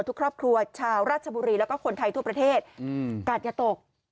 ทุกครอบครัวชาวราชบุรีแล้วก็คนไทยทั่วประเทศกาดอย่าตก